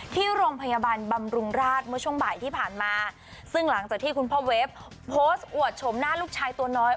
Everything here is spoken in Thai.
ที่โรงพยาบาลบำรุงราชเมื่อช่วงบ่ายที่ผ่านมาซึ่งหลังจากที่คุณพ่อเวฟโพสต์อวดชมหน้าลูกชายตัวน้อย